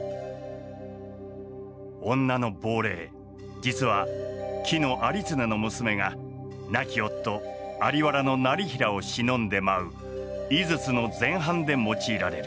女の亡霊実は紀有常の娘が亡き夫在原業平を偲んで舞う「井筒」の前半で用いられる。